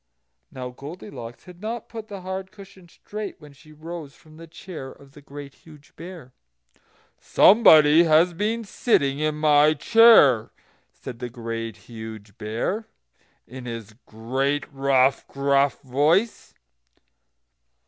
Now Goldilocks had not put the hard cushion straight when she rose from the chair of the Great Huge Bear. "SOMEBODY HAS BEEN SITTING IN MY CHAIR!" said the Great Huge Bear, in his great, rough, gruff voice.